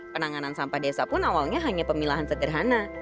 penanganan sampah desa pun awalnya hanya pemilahan sederhana